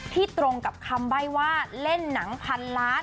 ตรงกับคำใบ้ว่าเล่นหนังพันล้าน